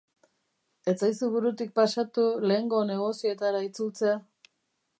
Ez zaizu burutik pasatu lehengo negozioetara itzultzea?